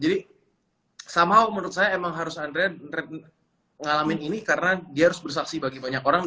jadi somehow menurut saya emang harus andrea ngalamin ini karena dia harus bersaksi bagi banyak orang